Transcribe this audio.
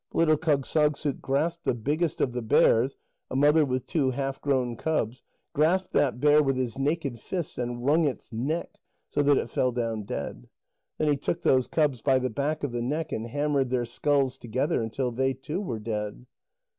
But little Kâgssagssuk grasped the biggest of the bears a mother with two half grown cubs grasped that bear with his naked fists, and wrung its neck, so that it fell down dead. Then he took those cubs by the back of the neck and hammered their skulls together until they too were dead.